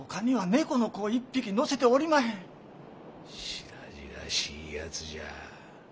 白々しいやつじゃ。